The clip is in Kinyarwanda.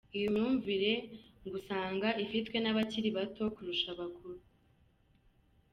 Iyi myumvire ngo usanga ifitwe n’abakiri bato kurusha abakuru.